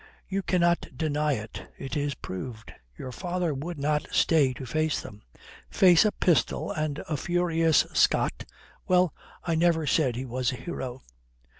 "You cannot deny it. It is proved. Your father would not stay to face them." "Face a pistol and a furious Scot? Well, I never said he was a hero."